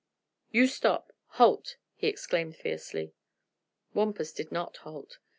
"You stop halt!" he exclaimed fiercely. Wampus did not halt.